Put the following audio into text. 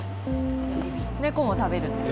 猫も食べるんで。